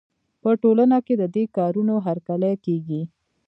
په ټولنه کې د دې کارونو هرکلی کېږي.